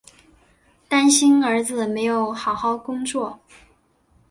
担心儿子有没有好好工作